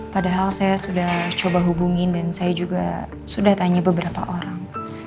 padahal saya sudah coba hubungin dan saya juga sudah tanya beberapa orang